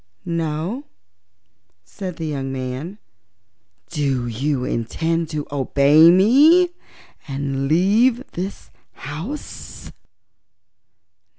"No," said the young man. "Do you intend to obey me, and leave this house?"